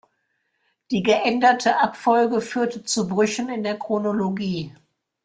Die geänderte Abfolge führte zu Brüchen in der Chronologie.